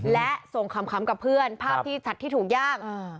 และส่งคำกับเพื่อนภาพที่ชัดที่ถูกย่าง